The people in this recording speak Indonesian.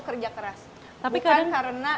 kerja keras bukan karena